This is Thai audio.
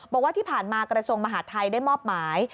บอกว่าที่ผ่านมากระทรวงมหาดไทยได้มอบหมาย